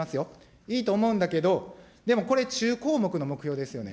いいと思うんだけど、でもこれ、中項目の目標ですよね。